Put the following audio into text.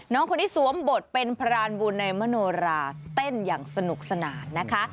น้องคนนี้สวมบทเป็นพรานบุญในมโนราเต้นอย่างสนุกสนานนะคะ